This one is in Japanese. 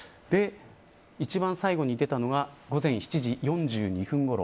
一番最後に出たのは午前７時４２分ごろ。